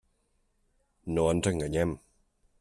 No ens enganyem.